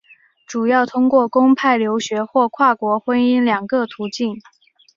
主要通过公派留学或跨国婚姻两个途径。